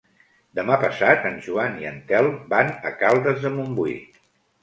Demà passat en Joan i en Telm van a Caldes de Montbui.